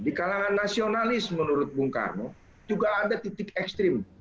di kalangan nasionalis menurut bung karno juga ada titik ekstrim